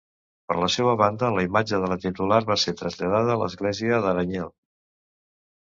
Per la seua banda, la imatge de la titular va ser traslladada a l'església d'Aranyel.